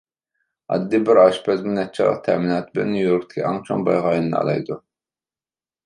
ئاددىي بىر ئاشپەزمۇ نەچچە ئايلىق تەمىناتى بىلەن نيۇ-يوركتىكى ئەڭ چوڭ بايغا ئايلىنالايدۇ.